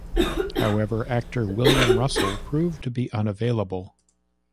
However, actor William Russell proved to be unavailable.